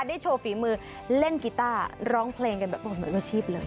ได้โชว์ฝีมือเล่นกีต้าร้องเพลงกันแบบบนบริโรชีพเลย